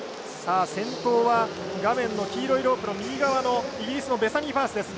先頭は黄色いロープの右側のイギリスのベサニー・ファースです。